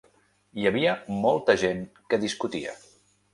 Hi havia molta gent que discutia.